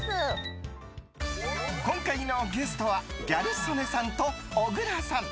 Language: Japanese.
今回のゲストはギャル曽根さんと小倉さん。